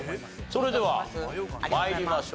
それでは参りましょう。